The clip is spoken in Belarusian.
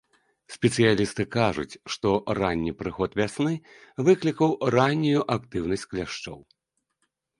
Спецыялісты кажуць, што ранні прыход вясны выклікаў раннюю актыўнасць кляшчоў.